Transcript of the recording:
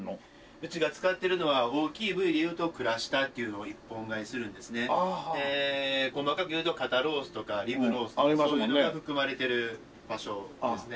うちが使ってるのは大きい部位で言うとくらしたっていうのを１本買いするんですね。で細かく言うと肩ロースとかリブロースとかそういうのが含まれてる場所ですね。